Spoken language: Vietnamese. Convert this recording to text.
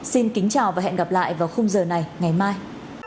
xin kính chào và hẹn gặp lại vào khung giờ này ngày mai